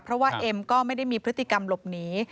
เพราะว่าเอ็มก็ไม่ได้มีพฤติกรรมหลบหนี